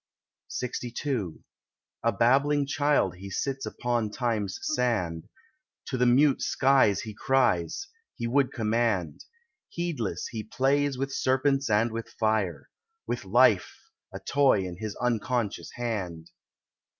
LXII A babbling child he sits upon Time's sand, To the mute sky he cries, he would command; Heedless he plays with serpents and with fire, With life—a toy in his unconscious hand.